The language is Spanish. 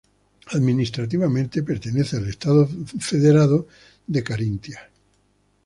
Administrativamente pertenece al estado federado de Carintia.